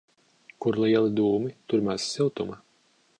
Kur lieli dūmi, tur maz siltuma.